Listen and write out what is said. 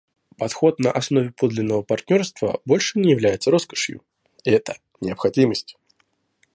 Подход на основе подлинного партнерства больше не является роскошью; это — необходимость.